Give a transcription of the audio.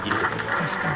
確かに。